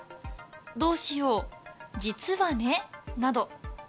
どういう、実はね、など。